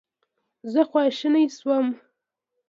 زه خواشینی شوم.